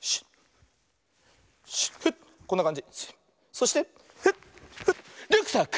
そしてフッフッリュックサック！